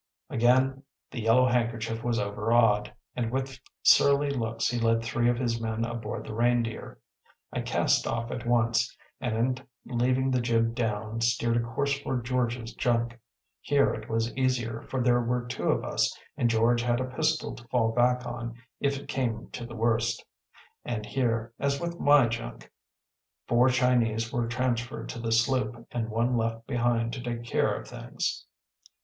Again the Yellow Handkerchief was overawed, and with surly looks he led three of his men aboard the Reindeer. I cast off at once, and, leaving the jib down, steered a course for George’s junk. Here it was easier, for there were two of us, and George had a pistol to fall back on if it came to the worst. And here, as with my junk, four Chinese were transferred to the sloop and one left behind to take care of things.